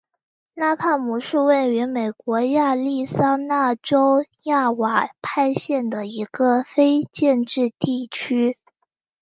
拉帕姆是位于美国亚利桑那州亚瓦派县的一个非建制地区。